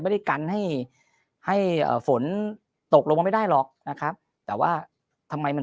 ไม่ได้กันให้ให้เอ่อฝนตกลงมาไม่ได้หรอกนะครับแต่ว่าทำไมมัน